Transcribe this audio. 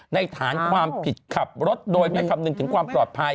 ฐานความผิดขับรถโดยไม่คำนึงถึงความปลอดภัย